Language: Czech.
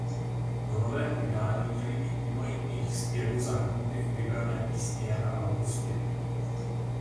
Do nového vydání měly být mimo jiných zpěvů zahrnuty i vybrané písně Jana Augusty.